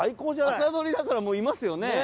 朝採りだからもういますよね。